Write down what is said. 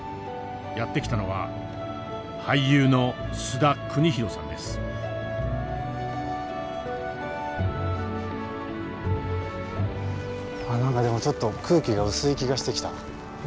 やって来たのは俳優のああ何かでもちょっと空気が薄い気がしてきた。